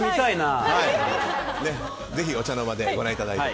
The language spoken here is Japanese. ぜひお茶の間でご覧いただいて。